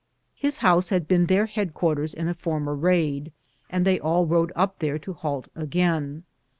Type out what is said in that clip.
His house had been their head quarters in a former raid, and they all rode up there to halt again.